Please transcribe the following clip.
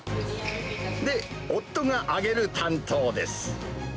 で、夫が揚げる担当です。